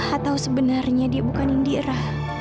atau sebenarnya dia bukan indierah